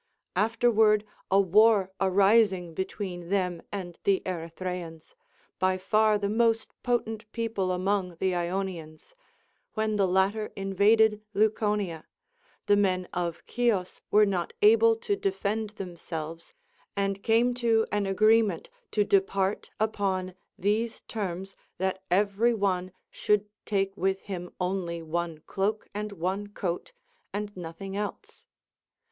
Afterward a war arising between them and the Erythraeans, by far the most potent CONCERNING THE VIRTUES OF WOMEN. 310 people among the lonians, when the latter invaded Leuco nia, the men of Chios ΛveΓe not able to defend themselves and came to an agreement to depart upon these terms that every one should take with him only one cloak and one coat, and nothing else.